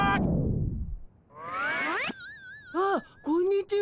あっこんにちは。